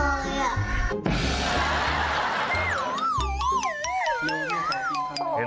ขอกินคำหนึ่ง